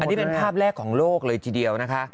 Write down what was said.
นี่เป็นภาพแรกของโลกเลยทีเดียวนะคะ